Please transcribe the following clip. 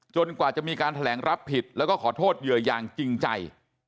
กว่าจะมีการแถลงรับผิดแล้วก็ขอโทษเหยื่ออย่างจริงใจ